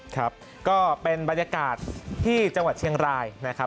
ครับก็เป็นบรรยากาศที่จังหวัดเชียงรายนะครับ